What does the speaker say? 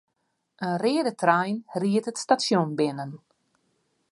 In reade trein ried it stasjon binnen.